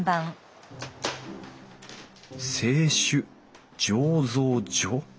「清酒醸造所」？